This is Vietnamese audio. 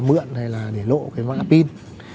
mượn hay là để lộ cái mã pin